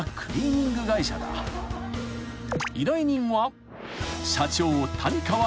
［依頼人は］